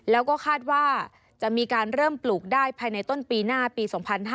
แล้วก็คาดว่าจะมีการเริ่มปลูกได้ภายในต้นปีหน้าปี๒๕๕๙